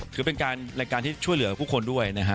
ถือเป็นการรายการที่ช่วยเหลือผู้คนด้วยนะฮะ